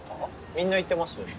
みんないってますよね。